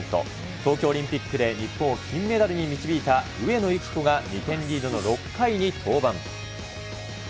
東京オリンピックで日本を金メダルに導いた上野由岐子が２点リードの６回に登板。